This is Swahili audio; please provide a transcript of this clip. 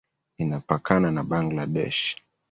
Inapakana na Bangladesh.